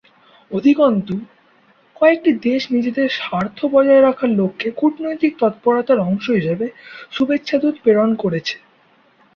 অধিকন্তু, কয়েকটি দেশ নিজেদের স্বার্থ বজায় রাখার লক্ষ্যে কূটনৈতিক তৎপরতার অংশ হিসেবে শুভেচ্ছা দূত প্রেরণ করেছে।